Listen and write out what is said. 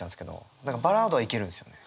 何かバラードはいけるんですよね。